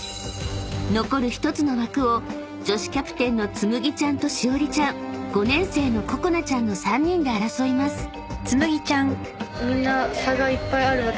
［残る１つの枠を女子キャプテンのつむぎちゃんとしおりちゃん５年生のここなちゃんの３人で争います］